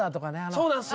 そうなんですよ